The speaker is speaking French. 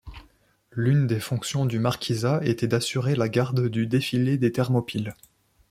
L’une des fonctions du marquisat était d’assurer la garde du défilé des Thermopyles.